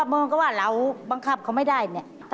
เราบังคับเขาไม่ได้